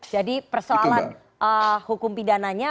jadi persoalan hukum pidananya